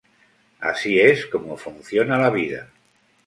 Así es como funciona la vida...